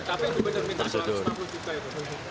tapi itu benar benar stafus juga itu